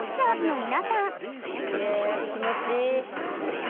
すげえ気持ちいい。